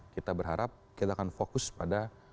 kita berharap kita akan fokus pada